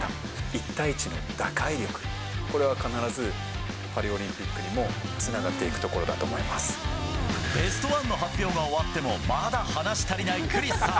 １対１の打開力、これは必ずパリオリンピックにもつながっていくところだと思いまベスト１の発表が終わっても、まだ話したりないクリスさん。